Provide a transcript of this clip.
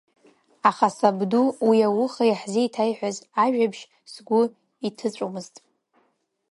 Аха сабду уи ауха иаҳзеиҭеиҳәаз ажәабжь сгәы иҭыҵәомызт.